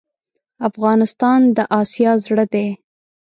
افغانستان دا اسیا زړه ډی